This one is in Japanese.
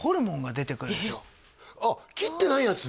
あっ切ってないやつ？